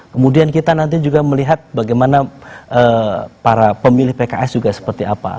kemudian kita nanti juga melihat bagaimana para pemilih pks juga seperti apa